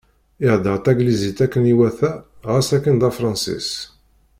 Ihedder taglizit akken iwata ɣas akken d Afransis.